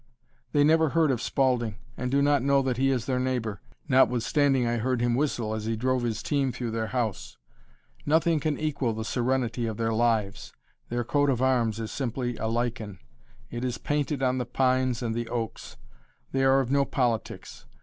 They never heard of Spaulding, and do not know that he is their neighbor, notwithstanding I heard him whistle as he drove his team through their house. Nothing can equal the serenity of their lives. Their coat of arms is simply a lichen. It is painted on the pines and the oaks. They are of no politics.